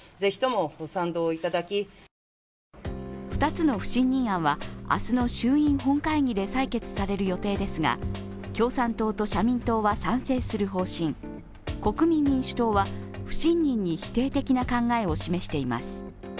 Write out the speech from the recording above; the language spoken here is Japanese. ２つの不信任案は明日の衆院本会議で採決される予定ですが、共産党と社民党は賛成する方針国民民主党は、不信任に否定的な考えを示しています。